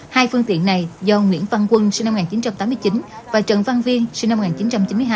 hai phương tiện này do nguyễn văn quân sinh năm một nghìn chín trăm tám mươi chín và trần văn viên sinh năm một nghìn chín trăm chín mươi hai